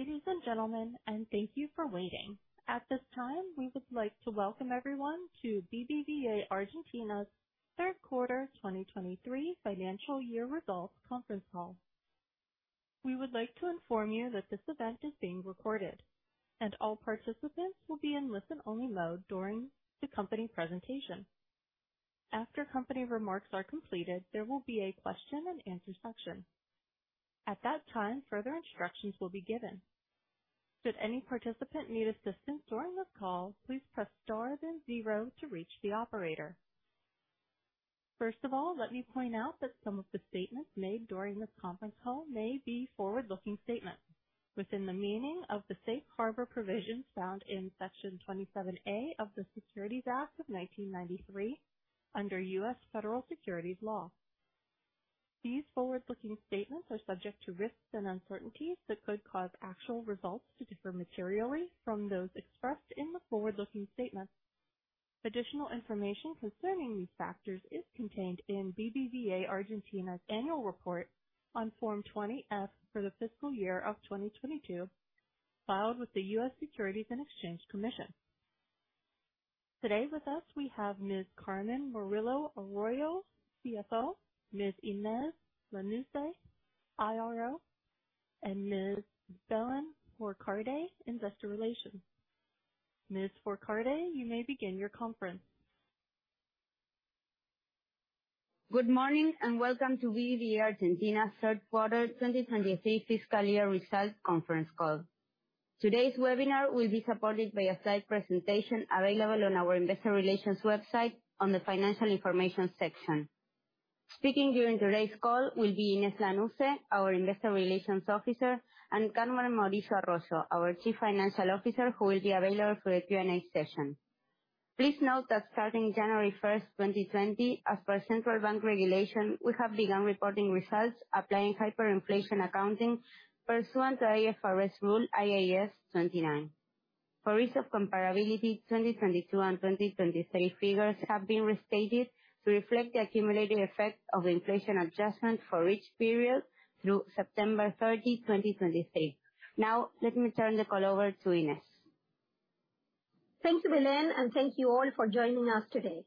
Good morning, ladies and gentlemen, and thank you for waiting. At this time, we would like to welcome everyone to BBVA Argentina's Q3 2023 Financial Year Results Conference Call. We would like to inform you that this event is being recorded, and all participants will be in listen-only mode during the company presentation. After company remarks are completed, there will be a question and answer section. At that time, further instructions will be given. Should any participant need assistance during this call, please press star then zero to reach the operator. First of all, let me point out that some of the statements made during this conference call may be forward-looking statements within the meaning of the safe harbor provisions found in Section 27A of the Securities Act of 1933 under U.S. Federal Securities Law. These forward-looking statements are subject to risks and uncertainties that could cause actual results to differ materially from those expressed in the forward-looking statements. Additional information concerning these factors is contained in BBVA Argentina's annual report on Form 20-F for the fiscal year of 2022, filed with the U.S. Securities and Exchange Commission. Today with us, we have Ms. Carmen Morillo Arroyo, CFO, Ms. Inés Lanusse, IRO, and Ms. Belén Fourcade, Investor Relations. Ms. Fourcade, you may begin your conference. Good morning, and welcome to BBVA Argentina Q3 2023 fiscal year results conference call. Today's webinar will be supported by a slide presentation available on our investor relations website on the financial information section. Speaking during today's call will be Inés Lanusse, our Investor Relations Officer, and Carmen Morillo Arroyo, our Chief Financial Officer, who will be available for the Q&A session. Please note that starting January 1, 2020, as per central bank regulation, we have begun reporting results applying hyperinflation accounting pursuant to IFRS rule IAS 29. For ease of comparability, 2022 and 2023 figures have been restated to reflect the accumulated effect of inflation adjustment for each period through September 30, 2023. Now, let me turn the call over to Inés. Thanks, Belén, and thank you all for joining us today.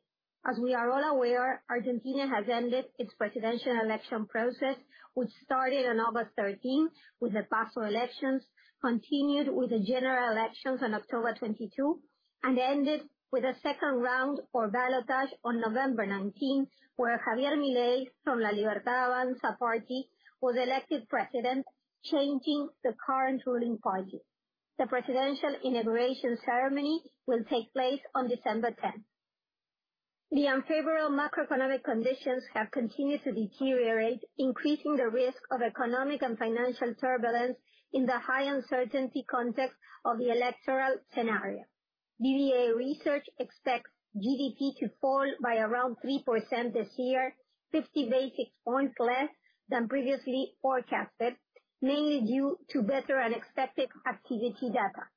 As we are all aware, Argentina has ended its presidential election process, which started on August 13 with the PASO elections, continued with the general elections on October 22, and ended with a second round or ballotage on November 19, where Javier Milei from La Libertad Avanza party was elected president, changing the current ruling party. The presidential inauguration ceremony will take place on December 10. The unfavorable macroeconomic conditions have continued to deteriorate, increasing the risk of economic and financial turbulence in the high uncertainty context of the electoral scenario. BBVA Research expects GDP to fall by around 3% this year, 50 basis points less than previously forecasted, mainly due to better than expected activity data.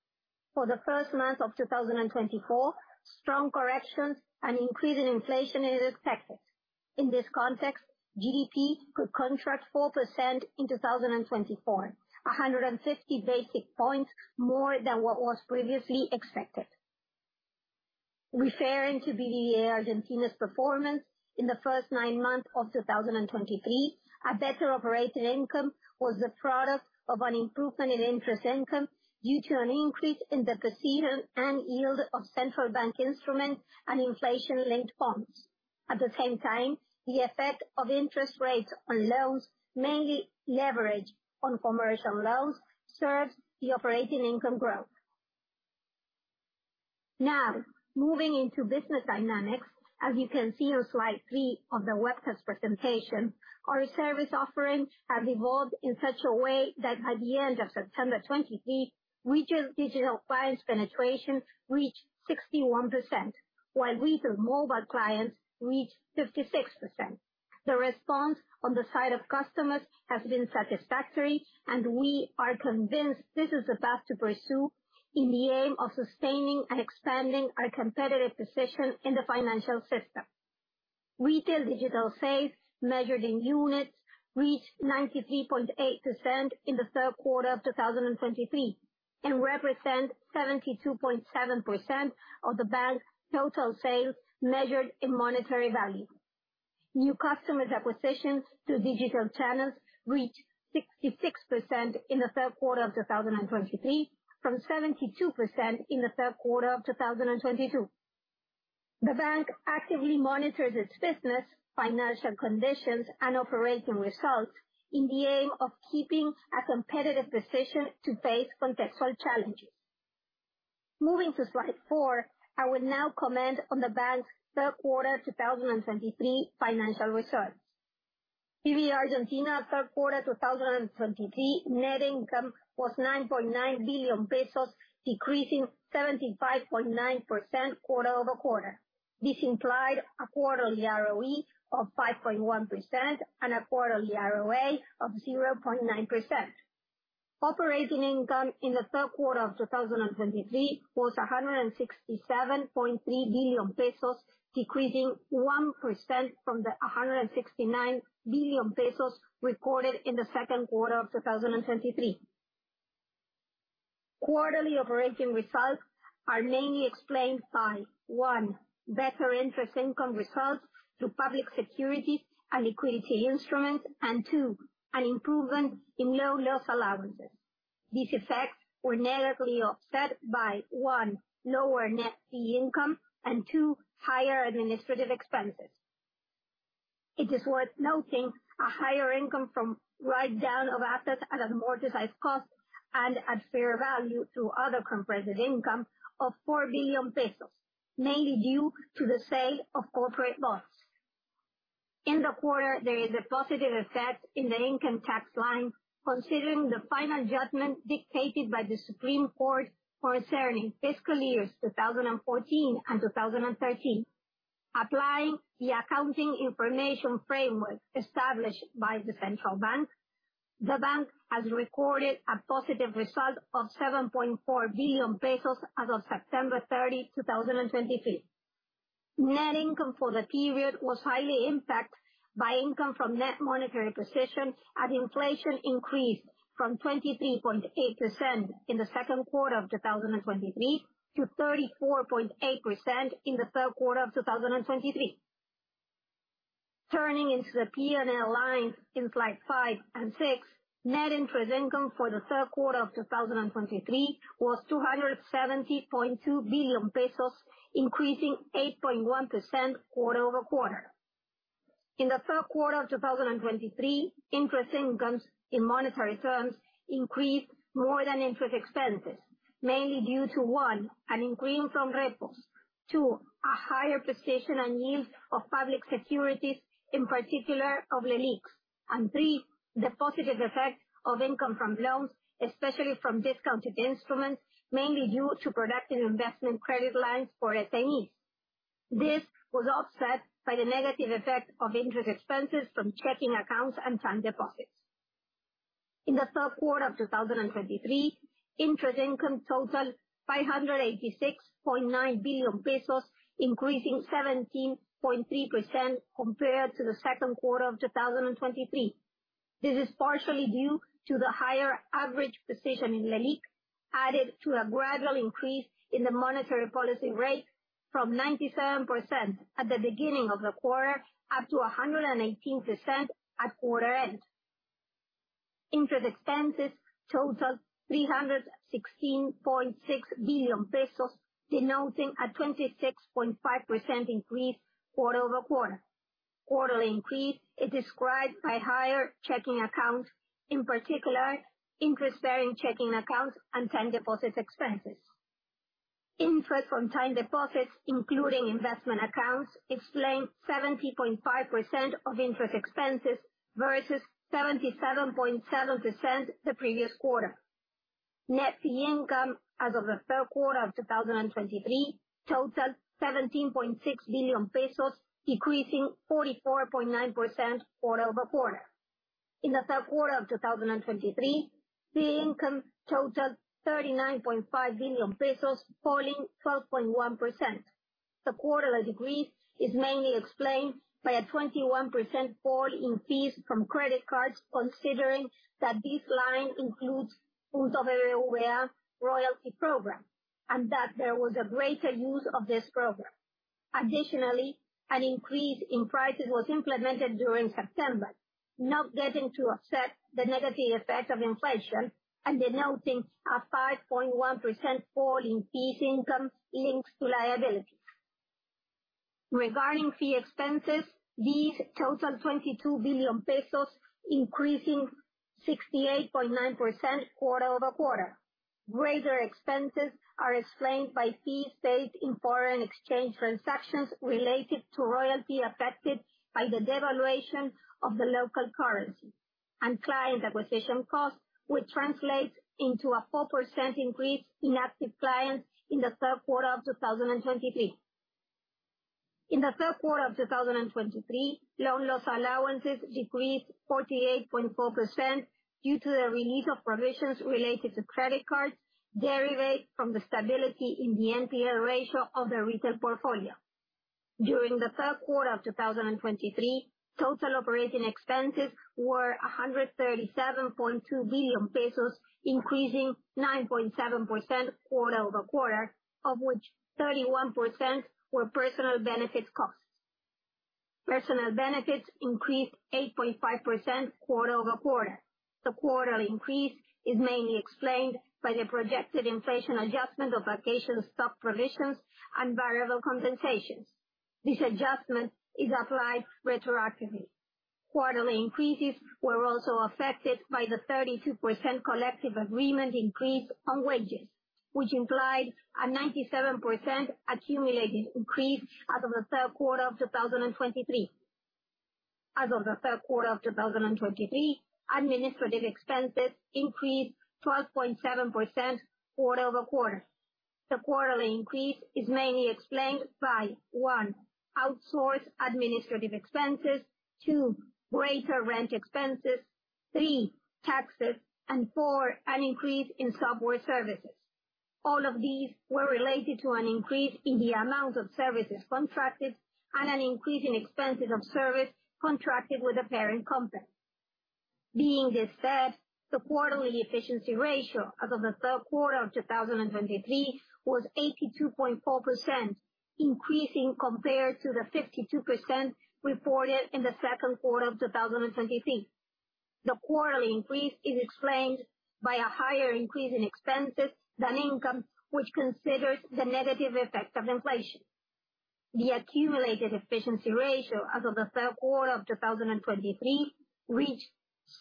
For the first month of 2024, strong corrections and increase in inflation is expected. In this context, GDP could contract 4% in 2024, 150 basis points more than what was previously expected. Referring to BBVA Argentina's performance in the first 9 months of 2023, a better operating income was the product of an improvement in interest income due to an increase in the procedure and yield of central bank instruments and inflation-linked bonds. At the same time, the effect of interest rates on loans, mainly leverage on commercial loans, served the operating income growth. Now, moving into business dynamics, as you can see on slide 3 of the webcast presentation, our service offerings have evolved in such a way that by the end of September 2023, retail digital clients penetration reached 61%, while retail mobile clients reached 56%. The response on the side of customers has been satisfactory, and we are convinced this is the path to pursue in the aim of sustaining and expanding our competitive position in the financial system. Retail digital sales, measured in units, reached 93.8% in the Q3 of 2023, and represent 72.7% of the bank's total sales, measured in monetary value. New customer acquisitions to digital channels reached 66% in the Q3 of 2023, from 72% in the Q3 of 2022. The bank actively monitors its business, financial conditions, and operating results in the aim of keeping a competitive position to face contextual challenges. Moving to slide four, I will now comment on the bank's Q3 2023 financial results. BBVA Argentina Q3 2023 net income was 9.9 billion pesos, decreasing 75.9% quarter-over-quarter. This implied a quarterly ROE of 5.1% and a quarterly ROA of 0.9%. Operating income in Q3 of 2023 was 167.3 billion pesos, decreasing 1% from the 169 billion pesos recorded in the Q2 of 2023. Quarterly operating results are mainly explained by, one, better interest income results through public security and liquidity instruments, and two, an improvement in low loss allowances. These effects were negatively offset by, one, lower net fee income, and two, higher administrative expenses. It is worth noting a higher income from write-down of assets at amortized cost and at fair value to other comprehensive income of 4 billion pesos, mainly due to the sale of corporate bonds. In the quarter, there is a positive effect in the income tax line, considering the final judgment dictated by the Supreme Court concerning fiscal years 2014 and 2013. Applying the accounting information framework established by the central bank, the bank has recorded a positive result of 7.4 billion pesos as of September 30, 2023. Net income for the period was highly impacted by income from net monetary position, as inflation increased from 23.8% in Q2 of 2023, to 34.8% in Q3 of 2023. Turning into the P&L lines in slides five and six, net interest income for the Q3 of 2023 was 270.2 billion pesos, increasing 8.1% quarter-over-quarter. In Q3 of 2023, interest incomes in monetary terms increased more than interest expenses, mainly due to, one, an increase from repos. Two, a higher precision on yields of public securities, in particular, of LELIQ. And three, the positive effect of income from loans, especially from discounted instruments, mainly due to productive investment credit lines for SMEs. This was offset by the negative effect of interest expenses from checking accounts and time deposits. In the Q3 of 2023, interest income totaled ARS 586.9 billion, increasing 17.3% compared to Q2 of 2023. This is partially due to the higher average position in LELIQ, added to a gradual increase in the monetary policy rate from 97% at the beginning of the quarter, up to 118% at quarter end. Interest expenses totaled 316.6 billion pesos, denoting a 26.5% increase quarter-over-quarter. Quarterly increase is described by higher checking accounts, in particular, interest bearing checking accounts and time deposit expenses. Interest from time deposits, including investment accounts, explained 70.5% of interest expenses versus 77.7% the previous quarter. Net fee income as of Q3 of 2023 totaled ARS 17.6 billion, decreasing 44.9% quarter-over-quarter. In Q3 of 2023, fee income totaled 39.5 billion pesos, falling 12.1%. The quarterly decrease is mainly explained by a 21% fall in fees from credit cards, considering that this line includes points of Puntos BBVA loyalty program, and that there was a greater use of this program. Additionally, an increase in prices was implemented during September, not getting to offset the negative effect of inflation and denoting a 5.1% fall in fee income linked to liabilities. Regarding fee expenses, these totaled 22 billion pesos, increasing 68.9% quarter-over-quarter. Greater expenses are explained by fees paid in foreign exchange transactions related to royalties, affected by the devaluation of the local currency, and client acquisition costs, which translates into a 4% increase in active clients in Q3 of 2023. In Q3 of 2023, loan loss allowances decreased 48.4% due to the release of provisions related to credit cards, derived from the stability in the NPL ratio of the retail portfolio. During the Q3 of 2023, total operating expenses were 137.2 billion pesos, increasing 9.7% quarter-over-quarter, of which 31% were personal benefits costs. Personal benefits increased 8.5% quarter-over-quarter. The quarterly increase is mainly explained by the projected inflation adjustment of vacation stock provisions and variable compensations. This adjustment is applied retroactively. Quarterly increases were also affected by the 32% collective agreement increase on wages, which implied a 97% accumulated increase as of the Q3 of 2023. As of Q3 of 2023, administrative expenses increased 12.7% quarter-over-quarter. The quarterly increase is mainly explained by, one, outsourced administrative expenses, two, greater rent expenses, three, taxes, and four, an increase in software services.... All of these were related to an increase in the amount of services contracted and an increase in expenses of service contracted with the parent company. Being this said, the quarterly efficiency ratio as of Q3 of 2023 was 82.4%, increasing compared to the 52% reported in Q2 of 2023. The quarterly increase is explained by a higher increase in expenses than income, which considers the negative effect of inflation. The accumulated efficiency ratio as of the Q3 of 2023 reached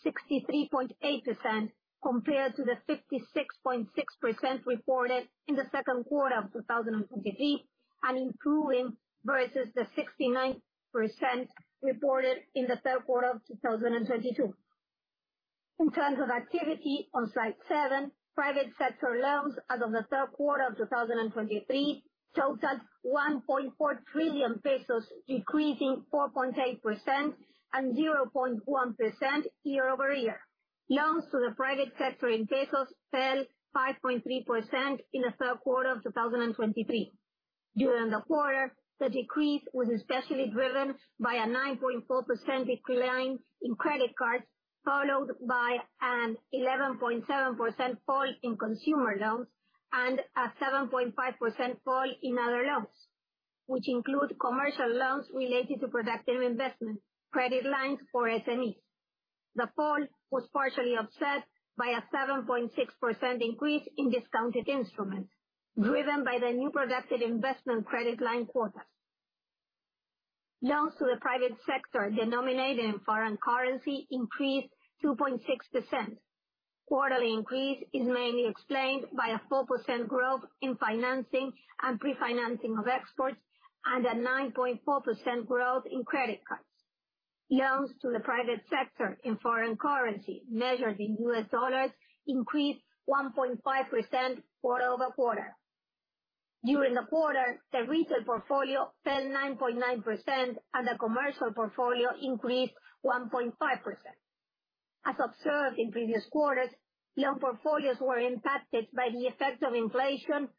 63.8%, compared to the 56.6% reported in the Q2 of 2023, and improving versus the 69% reported in the Q3 of 2022. In terms of activity, on slide seven, private sector loans as of the Q3 of 2023 totaled 1.4 trillion pesos, decreasing 4.8% and 0.1% year-over-year. Loans to the private sector in pesos fell 5.3% in the Q3 of 2023. During the quarter, the decrease was especially driven by a 9.4% decline in credit cards, followed by an 11.7% fall in consumer loans and a 7.5% fall in other loans, which include commercial loans related to productive investment, credit lines for SMEs. The fall was partially offset by a 7.6% increase in discounted instruments, driven by the new productive investment credit line quotas. Loans to the private sector denominated in foreign currency increased 2.6%. Quarterly increase is mainly explained by a 4% growth in financing and pre-financing of exports, and a 9.4% growth in credit cards. Loans to the private sector in foreign currency, measured in U.S. dollars, increased 1.5% quarter-over-quarter. During the quarter, the retail portfolio fell 9.9% and the commercial portfolio increased 1.5%. As observed in previous quarters, loan portfolios were impacted by the effect of inflation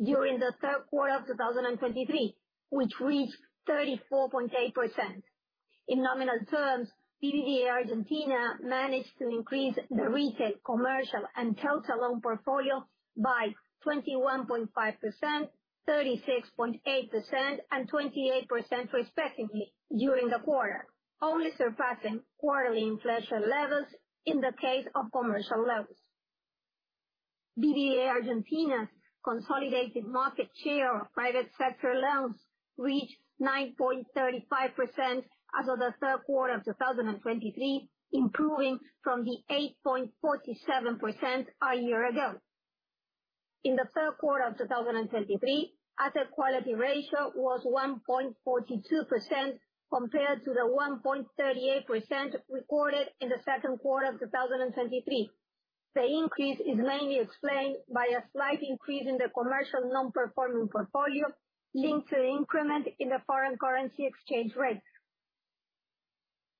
during the Q3 of 2023, which reached 34.8%. In nominal terms, BBVA Argentina managed to increase the retail, commercial and total loan portfolio by 21.5%, 36.8%, and 28% respectively during the quarter, only surpassing quarterly inflation levels in the case of commercial loans. BBVA Argentina's consolidated market share of private sector loans reached 9.35% as of the Q3 of 2023, improving from the 8.47% a year ago. In the Q3 of 2023, asset quality ratio was 1.42%, compared to the 1.38% recorded in the Q2 of 2023. The increase is mainly explained by a slight increase in the commercial non-performing portfolio, linked to the increment in the foreign currency exchange rate.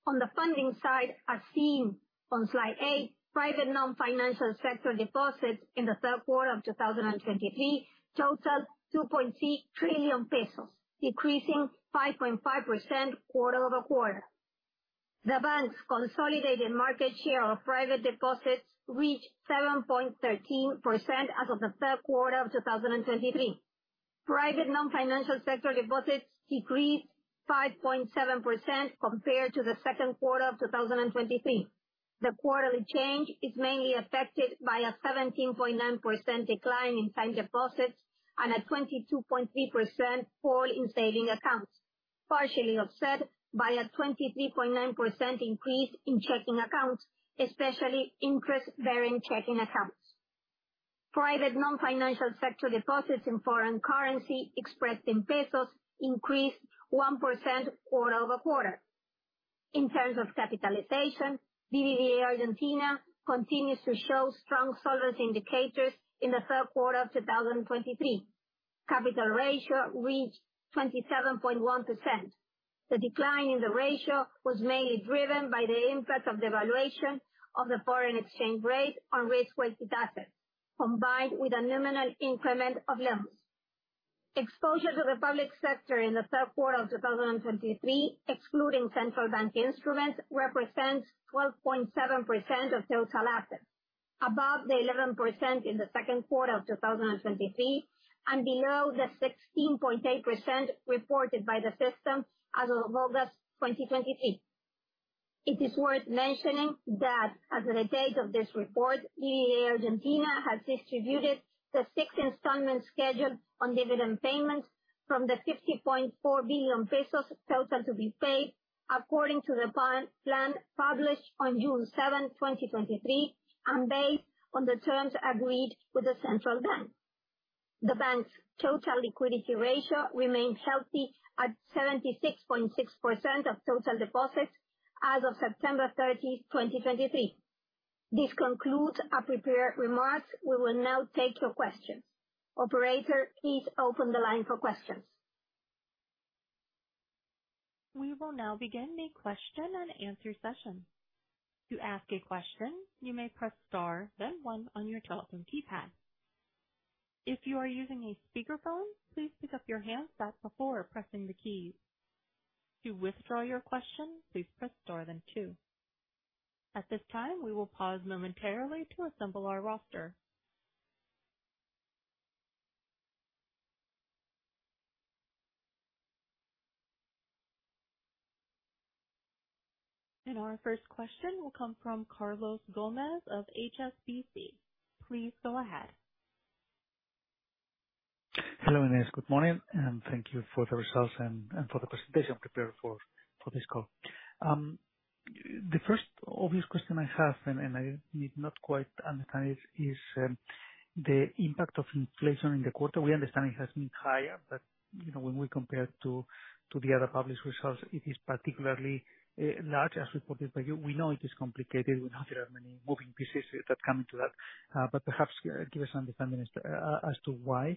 On the funding side, as seen on slide 8, private non-financial sector deposits in the Q3 of 2023 totaled 2.6 trillion pesos, decreasing 5.5% quarter-over-quarter. The bank's consolidated market share of private deposits reached 7.13% as of the Q3 of 2023. Private non-financial sector deposits decreased 5.7% compared to the Q2 of 2023. The quarterly change is mainly affected by a 17.9% decline in time deposits, and a 22.3% fall in savings accounts, partially offset by a 23.9% increase in checking accounts, especially interest-bearing checking accounts. Private non-financial sector deposits in foreign currency expressed in pesos increased 1% quarter-over-quarter. In terms of capitalization, BBVA Argentina continues to show strong solvency indicators in Q3 of 2023. Capital ratio reached 27.1%. The decline in the ratio was mainly driven by the impact of the valuation of the foreign exchange rate on risk-weighted assets, combined with a nominal increment of loans. Exposure to the public sector in the Q3 of 2023, excluding central bank instruments, represents 12.7% of total assets, above the 11% in the Q2 of 2023, and below the 16.8% reported by the system as of August 2023. It is worth mentioning that as of the date of this report, BBVA Argentina has distributed the sixth installment schedule on dividend payments from the 50.4 billion pesos total to be paid, according to the plan published on June 7, 2023, and based on the terms agreed with the central bank. The bank's total liquidity ratio remains healthy at 76.6% of total deposits as of September 30, 2023. This concludes our prepared remarks. We will now take your questions. Operator, please open the line for questions. We will now begin the question and answer session. To ask a question, you may press star then one on your telephone keypad. If you are using a speakerphone, please pick up your handset before pressing the key. To withdraw your question, please press star then two. At this time, we will pause momentarily to assemble our roster. Our first question will come from Carlos Gomez of HSBC. Please go ahead. Hello, Inés. Good morning, and thank you for the results and for the presentation prepared for this call. The first obvious question I have, and I did not quite understand is the impact of inflation in the quarter. We understand it has been higher, but you know, when we compare it to the other published results, it is particularly large as reported by you. We know it is complicated. We know there are many moving pieces that come into that, but perhaps give us understanding as to why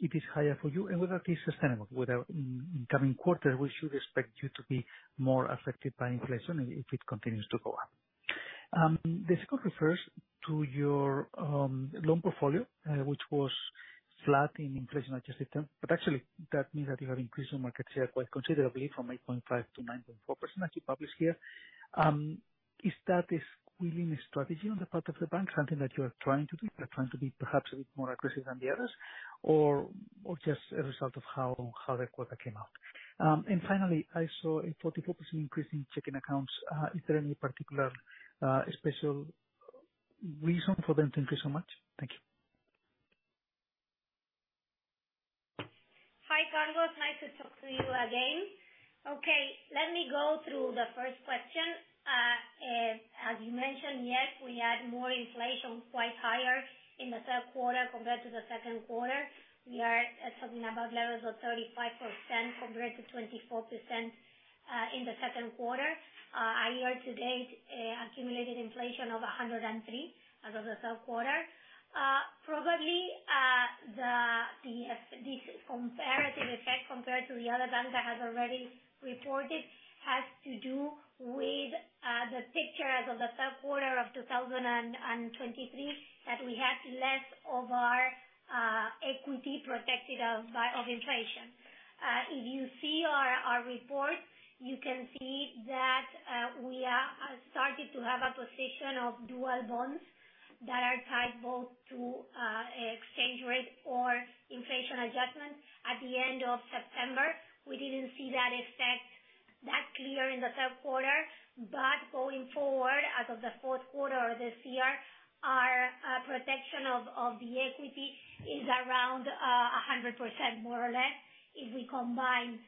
it is higher for you, and whether it is sustainable. Whether in coming quarter, we should expect you to be more affected by inflation if it continues to go up. The second refers to your loan portfolio, which was flat in inflation-adjusted terms, but actually that means that you have increased your market share quite considerably from 8.5% to 9.4%, as you published here. Is that a stealing strategy on the part of the bank, something that you are trying to do, you are trying to be perhaps a bit more aggressive than the others, or just a result of how the quarter came out? And finally, I saw a 44% increase in checking accounts. Is there any particular special reason for them to increase so much? Thank you. Hi, Carlos. Nice to talk to you again. Okay, let me go through the first question. As you mentioned, yes, we had more inflation, quite higher in Q3 compared to Q2. We are talking about levels of 35% compared to 24% in Q2. Year to date, accumulated inflation of 103% as of Q3. Probably, this comparative effect compared to the other banks that has already reported, has to do with the picture as of the Q3 of 2023, that we had less of our equity protected us by of inflation. If you see our report, you can see that we are started to have a position of dual bonds that are tied both to exchange rate or inflation adjustment. At the end of September, we didn't see that effect that clear in Q3, but going forward, as of the Q4 of this year, our protection of the equity is around 100% more or less, if we combine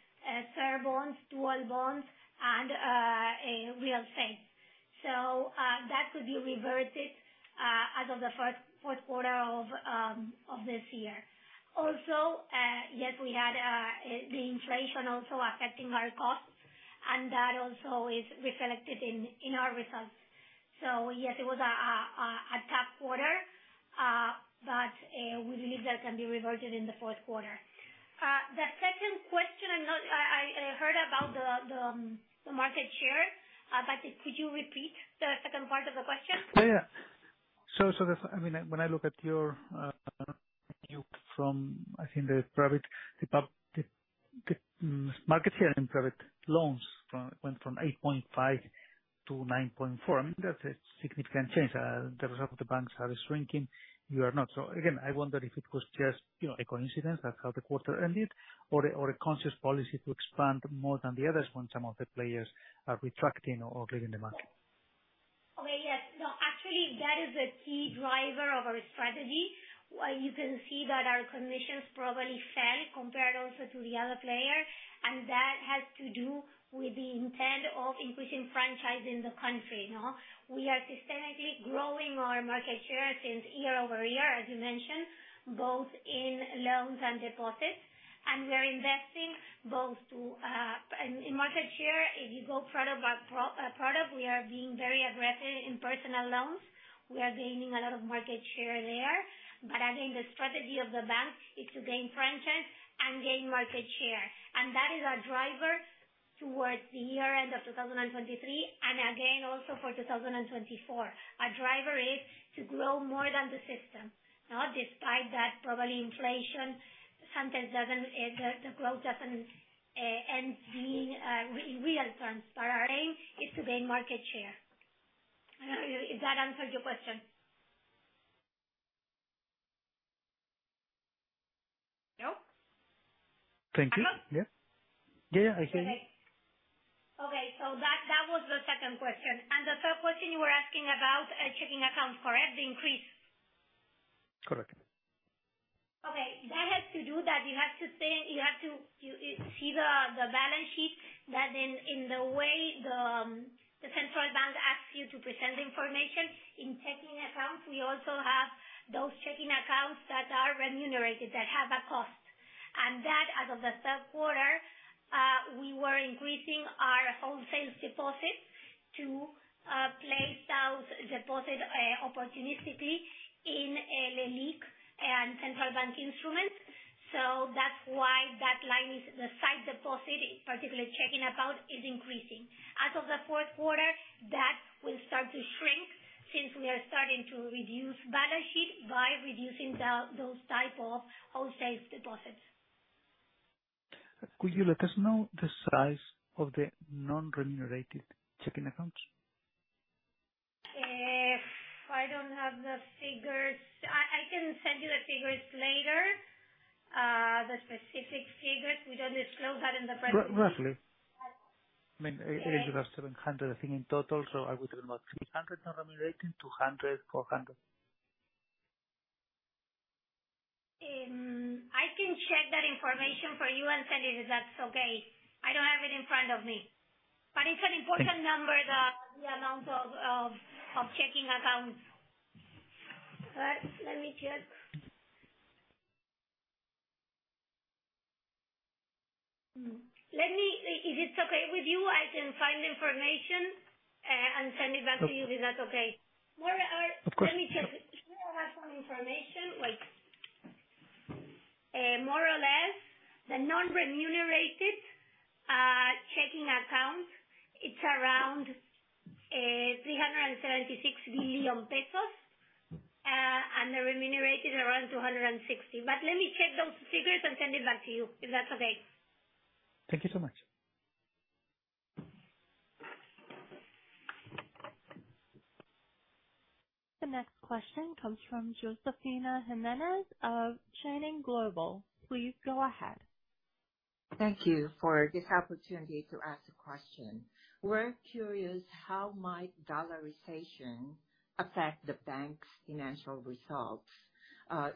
CER bonds, dual bonds, and a real estate. So that could be reverted as of the first Q4 of this year. Also, yes, we had the inflation also affecting our costs, and that also is reflected in our results. So yes, it was a tough quarter, but we believe that can be reverted in the Q4. The second question, I heard about the market share, but could you repeat the second part of the question? Yeah. So, I mean, when I look at your, I think the market share in private loans went from 8.5 to 9.4, I mean, that's a significant change. The rest of the banks are shrinking, you are not. So again, I wonder if it was just, you know, a coincidence, that's how the quarter ended, or a conscious policy to expand more than the others when some of the players are retracting or leaving the market. Okay, yes. No, actually, that is a key driver of our strategy. You can see that our commissions probably fell compared also to the other players, and that has to do with the intent of increasing franchise in the country, no? We are systematically growing our market share year over year, as you mentioned, both in loans and deposits, and we are investing both to—in market share, if you go product by product, we are being very aggressive in personal loans. We are gaining a lot of market share there. But I think the strategy of the bank is to gain franchise and gain market share, and that is our driver towards the year end of 2023, and again, also for 2024. Our driver is to grow more than the system. Now, despite that, probably inflation sometimes doesn't, the growth doesn't end in real terms, but our aim is to gain market share. I don't know if that answered your question. No? Thank you. Hello? Yeah. Yeah, yeah, I think. Okay. That, that was the second question. The third question you were asking about, checking accounts, correct, the increase? Correct. Okay. That has to do that you have to think, you have to, you see the balance sheet that in the way the central bank asks you to present the information. In checking accounts, we also have those checking accounts that are remunerated, that have a cost, and that as of the Q3, we were increasing deposits to place those deposits opportunistically in LELIQ and central bank instruments. So that's why that line is the sight deposit, particularly checking account, is increasing. As of Q4, that will start to shrink since we are starting to reduce balance sheet by reducing those type of wholesale deposits. Could you let us know the size of the non-remunerated checking accounts? I don't have the figures. I can send you the figures later. The specific figures, we don't disclose that in the present- Roughly. I mean, you have 700, I think, in total, so I would say about 300 non-remunerating, 200, 400. I can check that information for you and send it, if that's okay. I don't have it in front of me. But it's an important number, the amount of checking accounts. Let me check. If it's okay with you, I can find the information, and send it back to you. Okay. Is that okay? Of course. Let me check. I have some information, like, more or less, the non-remunerated checking accounts, it's around 376 billion pesos, and the remunerated around 260 billion. But let me check those figures and send it back to you, if that's okay. Thank you so much. The next question comes from Josephine Jimenez of Channing Global. Please go ahead. Thank you for this opportunity to ask a question. We're curious, how might dollarization affect the bank's financial results?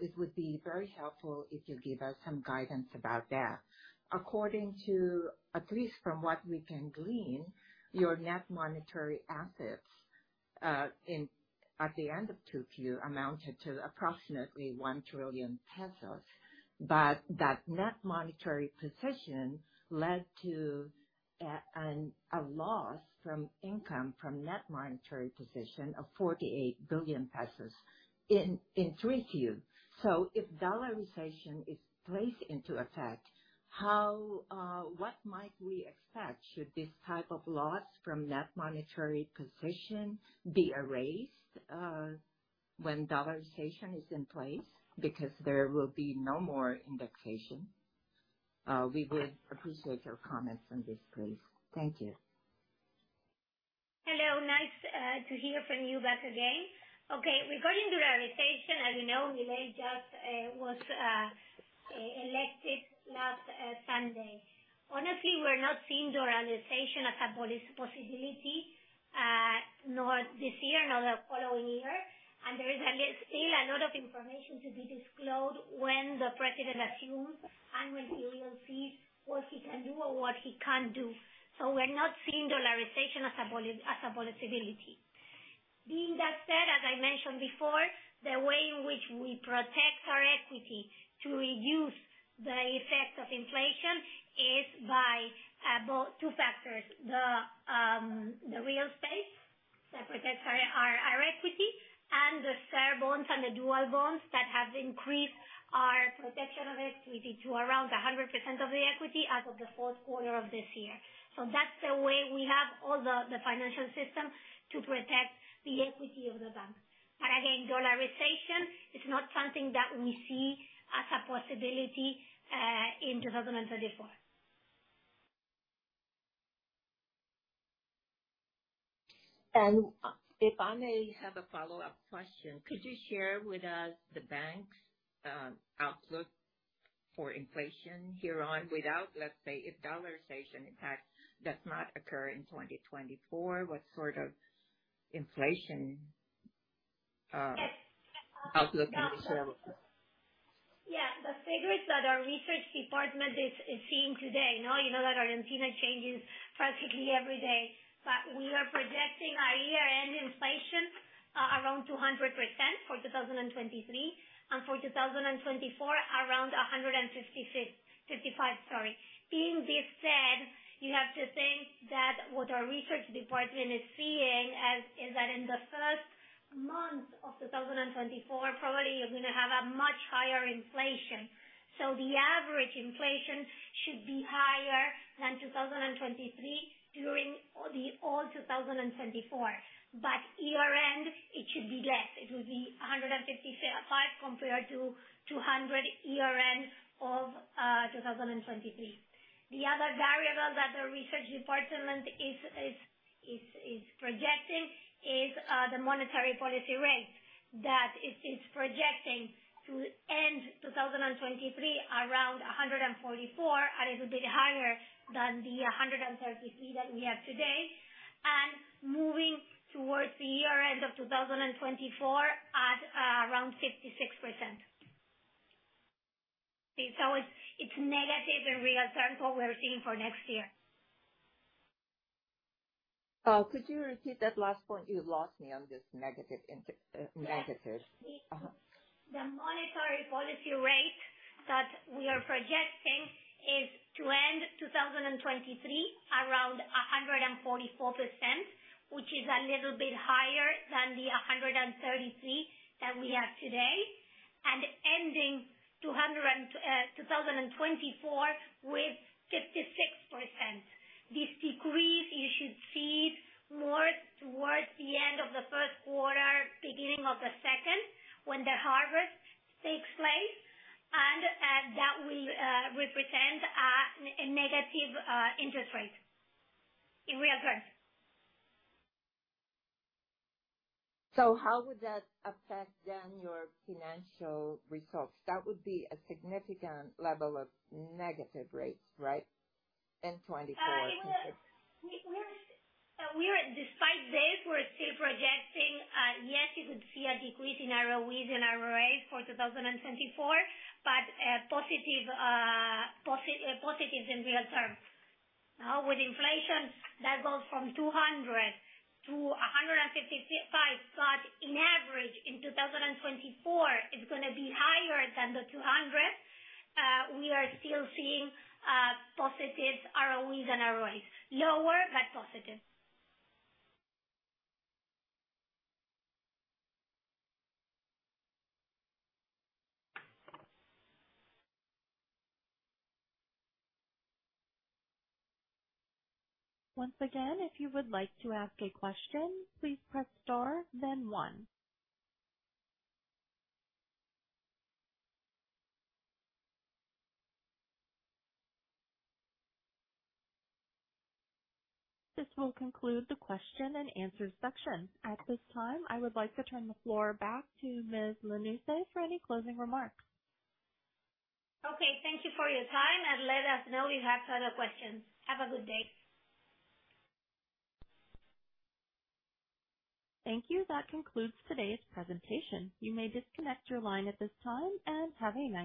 It would be very helpful if you give us some guidance about that. According to, at least from what we can glean, your net monetary assets at the end of Q2 amounted to approximately 1 trillion pesos. But that net monetary position led to a loss from income from net monetary position of 48 billion pesos in Q3. So if dollarization is placed into effect, how, what might we expect? Should this type of loss from net monetary position be erased when dollarization is in place? Because there will be no more indexation. We would appreciate your comments on this, please. Thank you. Hello, nice to hear from you back again. Okay, regarding dollarization, as you know, Milei just was elected last Sunday. Honestly, we're not seeing dollarization as a possibility, nor this year, nor the following year, and there is still a lot of information to be disclosed when the president assumes and when he will see what he can do or what he can't do. So we're not seeing dollarization as a viable possibility. Being that said, as I mentioned before, the way in which we protect our equity to reduce the effect of inflation is by both two factors: the real estate that protects our equity, and the CER bonds and the dual bonds that have increased our protection of equity to around 100% of the equity as of the Q4 of this year. So that's the way we have all the financial system to protect the equity of the bank. But again, dollarization is not something that we see as a possibility in 2024. If I may have a follow-up question, could you share with us the bank's outlook for inflation here on without, let's say, if dollarization, in fact, does not occur in 2024, what sort of inflation- Yes. Outlook, can you share with us? Yeah. The figures that our research department is seeing today, now, you know that Argentina changes practically every day, but we are projecting our year-end inflation around 200% for 2023, and for 2024, around 155, sorry. Being this said, you have to think that what our research department is seeing is that in the first month of 2024, probably you're gonna have a much higher inflation. So the average inflation should be higher than 2023 during all 2024. But year end, it should be less. It will be 155 compared to 200 year end of 2023. The other variable that the research department is projecting is the monetary policy rate, that it's projecting to end 2023 around 144, a little bit higher than the 133 that we have today, and moving towards the year end of 2024 at around 56%. So it's negative in real terms, what we're seeing for next year. Could you repeat that last point? You lost me on this negative, inter- Yes. Negative. Uh-huh. The monetary policy rate that we are projecting is to end 2023 around 144%, which is a little bit higher than the 133% that we have today, and ending 2024 with 56%. This decrease, you should see more towards the end of the Q1, beginning of the second, when the harvest takes place, and that will represent a negative interest rate in real terms. So how would that affect then your financial results? That would be a significant level of negative rates, right? In 2024. We are, despite this, we're still projecting, yes, you could see a decrease in our ROE and ROA for 2024, but positive positives in real terms. Now, with inflation, that goes from 200 to 155, but in average, in 2024, it's gonna be higher than the 200. We are still seeing positives ROEs and ROIs. Lower, but positive. Once again, if you would like to ask a question, please press star, then one. This will conclude the question and answer section. At this time, I would like to turn the floor back to Ms. Lanusse for any closing remarks. Okay, thank you for your time, and let us know if you have further questions. Have a good day. Thank you. That concludes today's presentation. You may disconnect your line at this time and have a nice day.